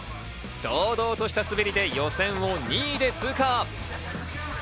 堂々とした滑りで予選を２位で通過。